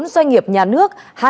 bốn doanh nghiệp nhà nước